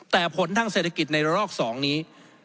แต่ผลทางเศรษฐกิจในระลอก๒นี้